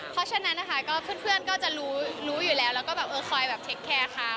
เพราะฉะนั้นเพื่อนก็จะรู้แล้วเลยพอคอยแบบ้าไป๓๒